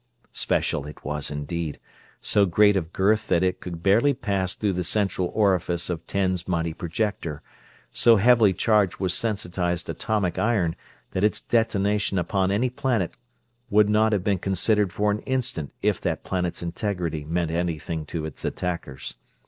"Special" it was indeed; so great of girth that it could barely pass through the central orifice of Ten's mighty projector, so heavily charged with sensitized atomic iron that its detonation upon any planet would not have been considered for an instant if that planet's integrity meant anything to its attackers.